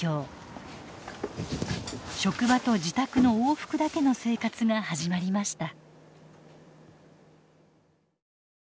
職場と自宅の往復だけの生活が始まりました。